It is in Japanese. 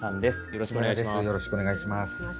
よろしくお願いします。